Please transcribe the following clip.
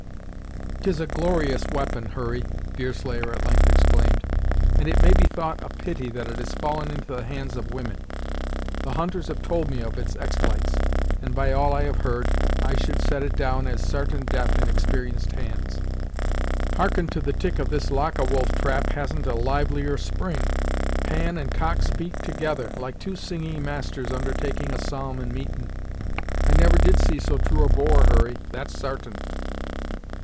"'Tis a glorious we'pon, Hurry!" Deerslayer at length exclaimed, "and it may be thought a pity that it has fallen into the hands of women. The hunters have told me of its expl'ites, and by all I have heard, I should set it down as sartain death in exper'enced hands. Hearken to the tick of this lock a wolf trap has'n't a livelier spring; pan and cock speak together, like two singing masters undertaking a psalm in meetin'. I never did see so true a bore, Hurry, that's sartain!"